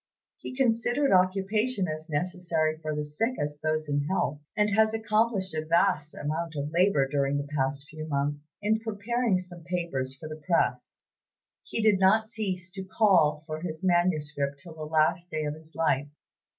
He considered occupation as necessary for the sick as for those in health, and has accomplished a vast amount of labor during the past few months, in preparing some papers for the press. He did not cease to call for his manuscript till the last day of his life.